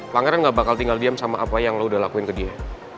pangeran gak bakal tinggal diam sama apa yang lo udah lakuin ke dia